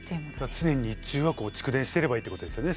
常に日中は蓄電してればいいってことですよね